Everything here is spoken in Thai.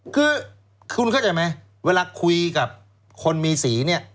คือคุณเข้าใจไหมเวลาคุยกับคนมีสีเนี่ย